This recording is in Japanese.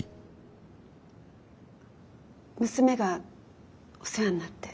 娘がお世話になって。